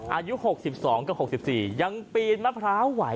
อายุ๖๒กับ๖๔ยังปีนมะพร้าวไหว